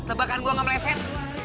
tebakan gue gak mereset